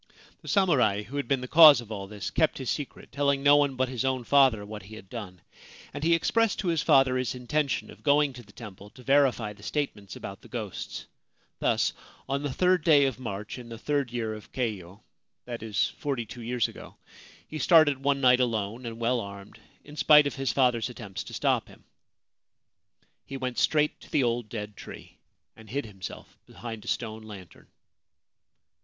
The samurai who had been the cause of all this kept his secret, telling no one but his own father what he had done ; and he expressed to his father his intention of going to the temple to verify the statements about the ghosts. Thus on the third day of March in the third year of Keio (that is, forty two years ago) he started one night alone and well armed, in spite of his father's attempts to stop him. He went straight to the old dead tree, and hid himself behind a stone lantern.